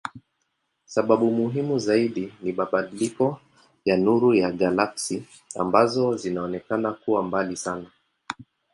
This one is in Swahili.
Sababu muhimu zaidi ni mabadiliko ya nuru ya galaksi ambazo zinaonekana kuwa mbali sana.